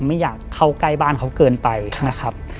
ไม่อยากเข้าใกล้บ้านเขาเกินไปนะครับ